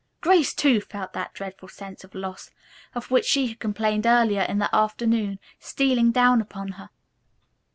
Grace, too, felt that dreadful sense of loss, of which she had complained earlier in the afternoon, stealing down upon her.